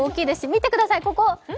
見てください、ここ！